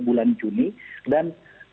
bulan juni dan